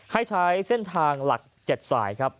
ให้ใช้เส้นทางหลัก๗สายครับ